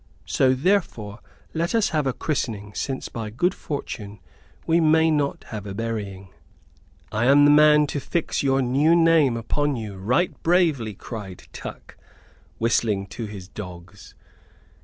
So therefore let us have a christening, since by good fortune we may not have a burying." "I am the man to fix your new name upon you right bravely," cried Tuck, whistling to his dogs.